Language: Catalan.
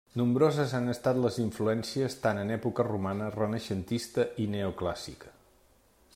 Nombroses han estat les influències tant en època romana, renaixentista i neoclàssica.